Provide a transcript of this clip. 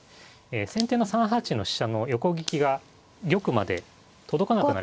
先手の３八の飛車の横利きが玉まで届かなくなりましたね。